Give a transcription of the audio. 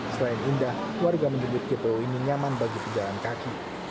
selain indah warga menyebut jpo ini nyaman bagi pejalan kaki